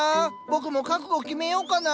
僕も覚悟を決めようかな。